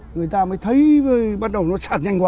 người ta mới thấy bắt đầu nó sạt nhanh quá